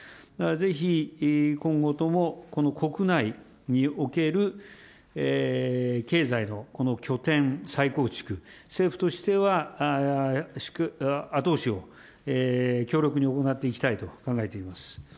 ぜひ今後とも、この国内における経済のこの拠点、再構築、政府としては後押しを強力に行っていきたいと考えております。